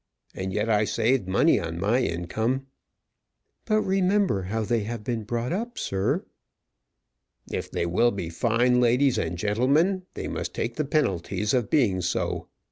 And yet I saved money on my income." "But remember how they have been brought up, sir." "If they will be fine ladies and gentlemen, they must take the penalties of being so.